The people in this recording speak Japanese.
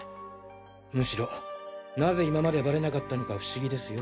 むしろなぜ今までバレなかったのか不思議ですよ。